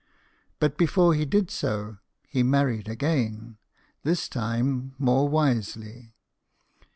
But before he did so, he married again, this time more wisely.